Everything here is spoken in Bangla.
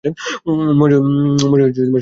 মরে শাকচুরি হয়ে থাক।